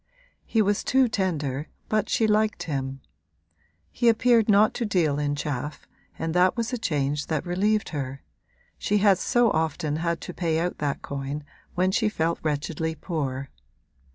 He was too tender, but she liked him; he appeared not to deal in chaff and that was a change that relieved her she had so often had to pay out that coin when she felt wretchedly poor.